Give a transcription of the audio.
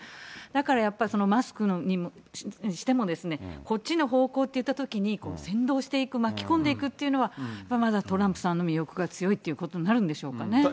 だからやっぱりそのマスクにしてもですね、こっちの方向っていったときに、扇動していく、巻き込んでいくというのは、まだトランプさんの魅力が強いっていうことになるんでしょうかね。